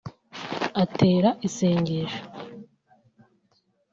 Atera isengesho